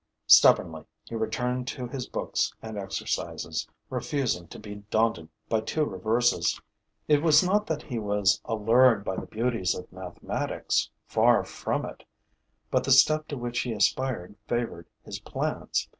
Stubbornly, he returned to his books and exercises, refusing to be daunted by two reverses. It was not that he was allured by the beauties of mathematics, far from it; but the step to which he aspired favored his plans.